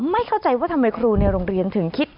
ไม่เข้าใจว่าทำไมครูในโรงเรียนถึงคิด